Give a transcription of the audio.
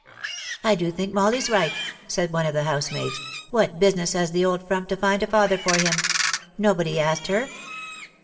" I do think Molly's right," said one of the housemaids. —" What business has the old frump to find a father for him ? Nobody asked her."